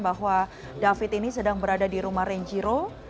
bahwa david ini sedang berada di rumah renjiro